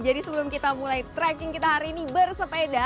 jadi sebelum kita mulai trekking kita hari ini bersepeda